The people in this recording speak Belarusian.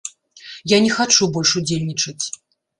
Я не хачу больш удзельнічаць.